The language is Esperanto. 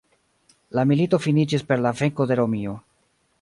La milito finiĝis per la venko de Romio.